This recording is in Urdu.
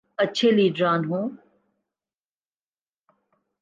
اچھے لیڈران ہوں۔